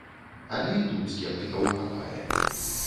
Але і тут скептыкаў хапае.